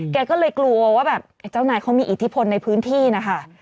แกก็เลยกลัวว่าแบบไอ้เจ้านายเขามีอิทธิพลในพื้นที่นะคะ